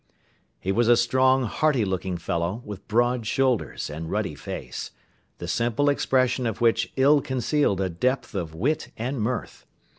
He was a strong, hearty looking fellow, with broad shoulders and ruddy face, the simple expression of which ill concealed a depth of wit and mirth.